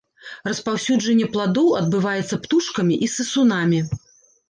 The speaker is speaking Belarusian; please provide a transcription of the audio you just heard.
Распаўсюджанне пладоў адбываецца птушкамі і сысунамі.